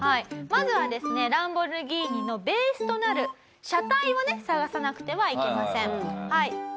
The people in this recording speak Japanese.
まずはですねランボルギーニのベースとなる車体をね探さなくてはいけません。